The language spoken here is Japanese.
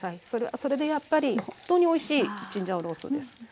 それはそれでやっぱり本当においしいチンジャオロースーです。